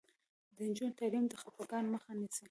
د نجونو تعلیم د خپګان مخه نیسي.